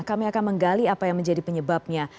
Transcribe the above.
kami akan menggali apa yang menjadi penyebabnya